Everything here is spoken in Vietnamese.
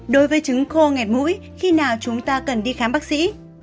đối với trứng khô ngẹt mũi khi nào chúng ta cần đi khám bác sĩ